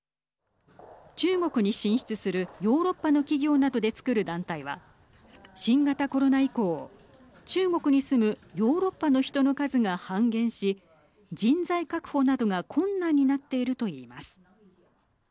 中国に進出するヨーロッパの企業などでつくる団体は新型コロナ以降、中国に住むヨーロッパの人の数が半減し人材確保などが困難になっているといいます。